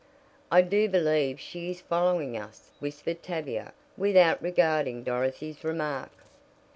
"I do believe she is following us," whispered Tavia without regarding Dorothy's remark.